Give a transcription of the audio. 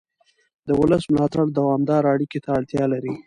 د ولس ملاتړ دوامداره اړیکې ته اړتیا لري